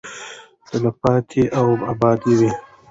تلپاتې او اباده وي.